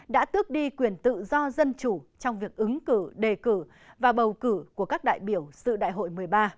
đã tước đi quyền tự do dân chủ trong việc ứng cử đề cử và bầu cử của các đại biểu sự đại hội một mươi ba